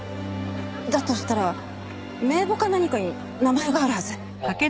だとしたら名簿か何かに名前があるはず。